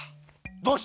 どうして？